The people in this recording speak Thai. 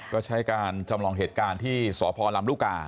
ก็ใช้การจำลองเหตุการณ์ที่สพลำลูกกา